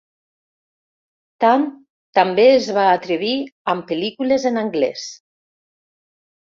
Tan també es va atrevir amb pel·lícules en anglès.